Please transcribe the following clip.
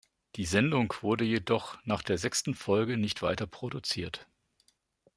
Die Sendung wurde jedoch nach der sechsten Folge nicht weiter produziert.